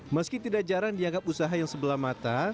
meski tidak jarang dianggap usaha yang sebelah mata